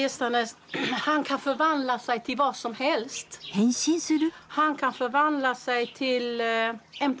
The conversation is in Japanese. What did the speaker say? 変身する？